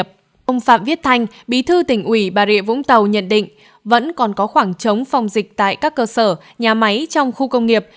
trong đó ông phạm viết thanh bí thư tỉnh ủy bà rịa vũng tàu nhận định vẫn còn có khoảng trống phòng dịch tại các cơ sở nhà máy trong khu công nghiệp